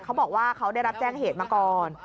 เขาบอกว่าเขาได้รับแจ้งเหตุมาก่อน